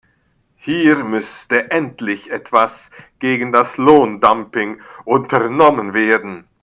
Hier müsste endlich etwas gegen das Lohndumping unternommen werden.